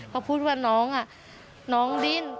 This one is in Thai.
พอพูดว่าน้องเร็น